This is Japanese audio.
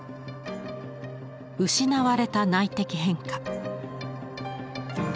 「失われた内的変化」。